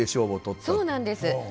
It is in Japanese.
そうなんです。